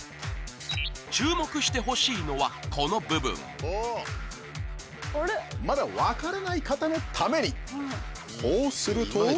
注目してほしいのはこの部分まだ分からない方のためにこうすると。